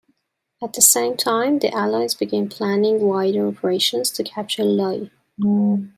At the same time, the Allies began planning wider operations to capture Lae.